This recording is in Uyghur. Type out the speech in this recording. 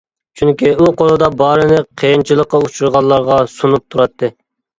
چۈنكى ئۇ قولىدا بارىنى قىيىنچىلىققا ئۇچرىغانلارغا سۇنۇپ تۇراتتى.